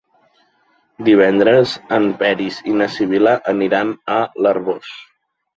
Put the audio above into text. Divendres en Peris i na Sibil·la aniran a l'Arboç.